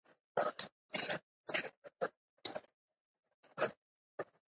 تۀ د تلو ضد کوې اؤ زۀ درته لمنه نيسم